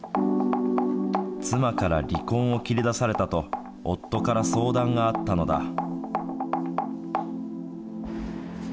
妻から離婚を切り出されたと、夫から相談があったのだ。